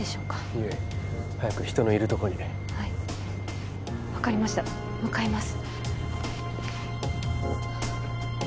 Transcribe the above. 悠依早く人のいる所にはい分かりました向かいます